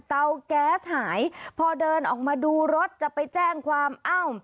เตาแก๊สหายพอเดินออกมาดูรถจะไปแจ้งความเอ้า